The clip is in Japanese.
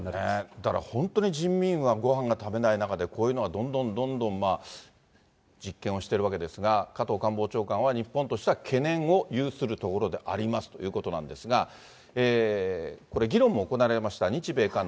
だから本当に人民は、ごはんが食べない中で、こういうのがどんどん実験をしているわけですが、加藤官房長官は日本としては懸念を有するところでありますということなんですが、これ、議論も行われました。